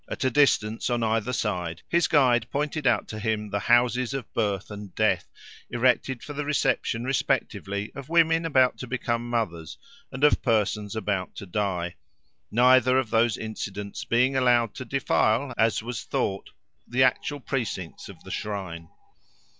At a distance, on either side, his guide pointed out to him the Houses of Birth and Death, erected for the reception respectively of women about to become mothers, and of persons about to die; neither of those incidents being allowed to defile, as was thought, the actual precincts of the shrine.